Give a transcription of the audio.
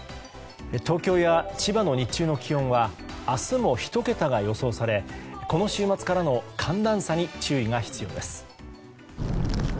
東京や千葉の日中の気温は明日も１桁が予想されこの週末からの寒暖差に注意が必要です。